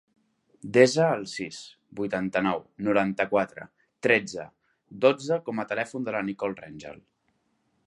Desa el sis, vuitanta-nou, noranta-quatre, tretze, dotze com a telèfon de la Nicole Rengel.